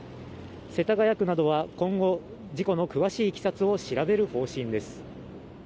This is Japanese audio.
世田谷区などは今後事故の詳しい経緯を調べる方針です